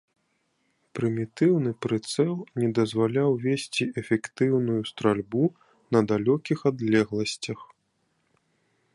Прымітыўны прыцэл не дазваляў весці эфектыўную стральбу на далёкіх адлегласцях.